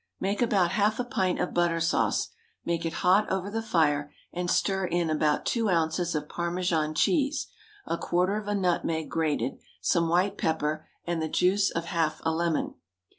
Make about half a pint of butter sauce, make it hot over the fire, and stir in about two ounces of Parmesan cheese, a quarter of a nutmeg grated, some white pepper, and the juice of half a lemon.